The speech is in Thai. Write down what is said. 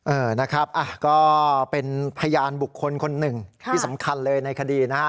เออนะครับก็เป็นพยานบุคคลคนหนึ่งที่สำคัญเลยในคดีนะฮะ